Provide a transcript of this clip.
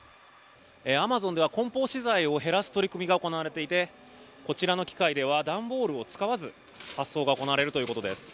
アマゾンでは梱包資材を減らす取り組みが行われていてこちらの機械では段ボールを使わず発送が行われるということです。